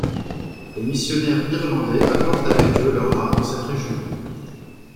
Les missionnaires irlandais apportent avec eux leur art dans cette région.